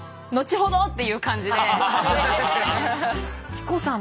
希子さん